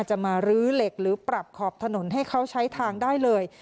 จะมาลื้อเหล็กหรือปรับขอบถนนให้เขาใช้ทางได้เลย